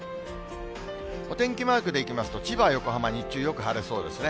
お天気マークでいきますと、千葉、横浜、日中よく晴れそうですね。